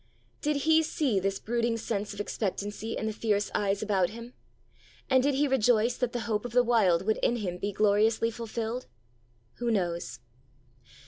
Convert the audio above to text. Did He see this brooding sense of expectancy in the fierce eyes about Him? And did He rejoice that the hope of the Wild would in Him be gloriously fulfilled? Who knows?